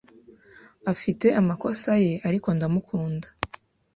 Afite amakosa ye, ariko ndamukunda.